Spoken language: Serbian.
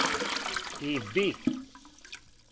и би